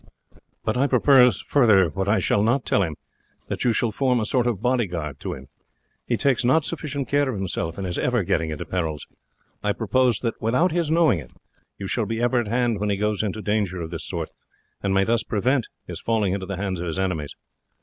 But I propose farther, what I shall not tell him, that you shall form a sort of bodyguard to him. He takes not sufficient care of himself, and is ever getting into perils. I propose that without his knowing it, you shall be ever at hand when he goes into danger of this sort, and may thus prevent his falling into the hands of his enemies.